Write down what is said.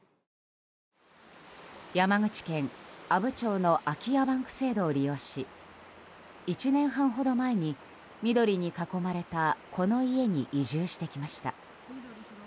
山口県阿武町の空き家バンク制度を利用し１年半ほど前に緑に囲まれたこの家に移住してきました。